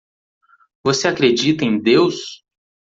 Você acredita em Deus?